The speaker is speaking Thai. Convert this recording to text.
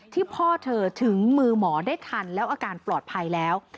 พ่อเธอถึงมือหมอได้ทันแล้วอาการปลอดภัยแล้ว